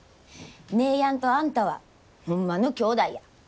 姉やんとあんたはホンマのきょうだいや。